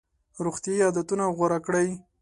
روغتیایي عادتونه غوره کړئ.